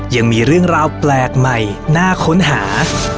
ยังมีเรื่องราวแปลกใหม่น่าค้นหา